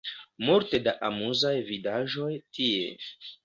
Multe da amuzaj vidaĵoj tie